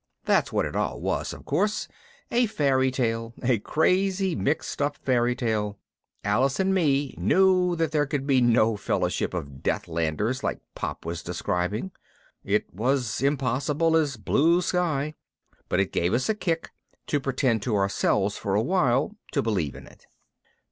That's what it all was, of course, a fairy tale a crazy mixed up fairy tale. Alice and me knew there could be no fellowship of Deathlanders like Pop was describing it was impossible as blue sky but it gave us a kick to pretend to ourselves for a while to believe in it.